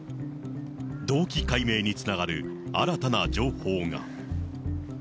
動機解明につながる新たな情報が。